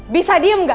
bisa diem gak